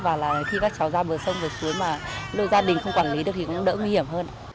và là khi các cháu ra bờ sông vượt suối mà gia đình không quản lý được thì cũng đỡ nguy hiểm hơn